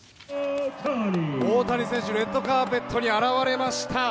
大谷選手がレッドカーペットに現れました。